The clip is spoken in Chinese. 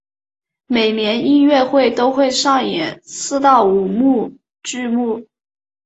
每年音乐节都会上演四到五幕剧目。